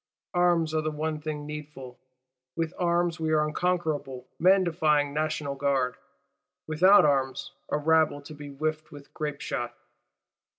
Arms are the one thing needful: with arms we are an unconquerable man defying National Guard; without arms, a rabble to be whiffed with grapeshot.